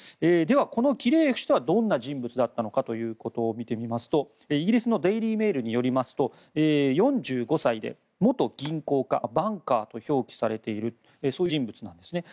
では、このキレーエフ氏とはどんな人物だったのかを見ていきますとイギリスのデイリー・メールによりますと４５歳で元銀行家バンカーと表記されているという人物です。